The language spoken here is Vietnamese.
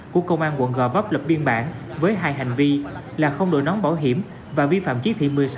của công an quận g vấp lập biên bản với hai hành vi là không đội nón bảo hiểm và vi phạm chiếc thị một mươi sáu